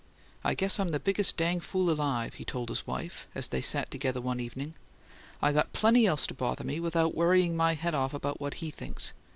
"I guess I'm the biggest dang fool alive," he told his wife as they sat together one evening. "I got plenty else to bother me, without worrying my head off about what HE thinks.